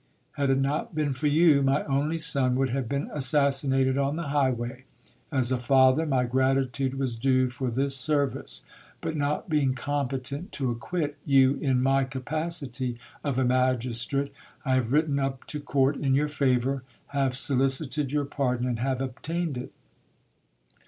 Had it not been for you, my only son would have been assassinated on the highway. As a father, my gratitude was due for this service ; but not being competent to acquit you in my capacity of a magistrate, I have written up to court in your favour ; have solicited your pardon, and have obtained it.